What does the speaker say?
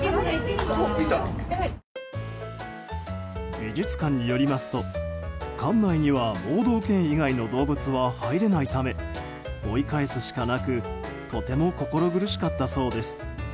美術館によりますと館内には盲導犬以外の動物は入れないため追い返すしかなくとても心苦しかったそうです。